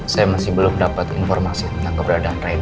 saya masih belum dapat informasi tentang keberadaan rain